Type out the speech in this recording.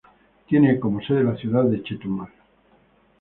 Tiene como sede la ciudad de Chetumal.